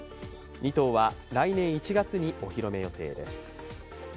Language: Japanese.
２頭は来年１月にお披露目予定です。